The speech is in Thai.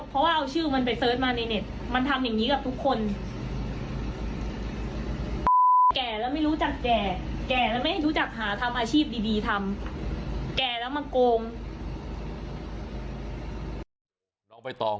เพราะว่าเอาชื่อของมันไปสเตอร์ชมาในเน็ต